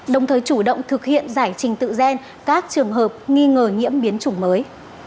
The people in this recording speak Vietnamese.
đồng thời chủ động thực hiện giải trình tự gen các trường hợp nghi ngờ nhiễm biến chủng mới